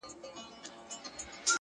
کله ورور کله مو زوی راته تربوری دی.!